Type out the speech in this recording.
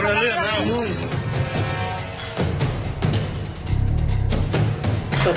สวัสดีครับทุกคน